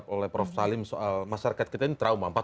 oleh prof salim soal masyarakat kita ini trauma